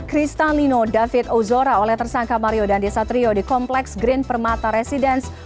kristalino david ozora oleh tersangka mario dandisatrio di kompleks green permata residence